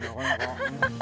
ハハハハ。